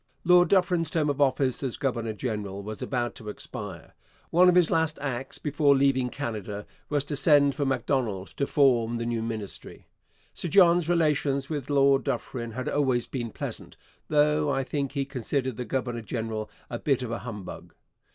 Lord Dufferin's term of office as governor general was about to expire. One of his last acts before leaving Canada was to send for Macdonald to form the new Ministry. Sir John's relations with Lord Dufferin had always been pleasant, though I think he considered the governor general a bit of a humbug.